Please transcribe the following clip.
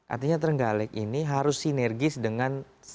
artinya terenggalek ini harus sinergis dengan